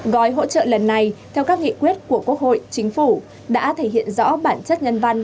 gói hỗ trợ lần này theo các nghị quyết của quốc hội chính phủ đã thể hiện rõ bản chất nhân văn